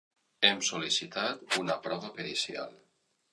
Hem sol·licitat una prova pericial.